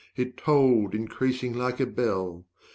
it tolled Increasing like a bell.